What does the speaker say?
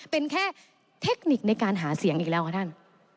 เป็นแค่เทคนิคในการหาเสียงอีกแล้วค่ะท่าน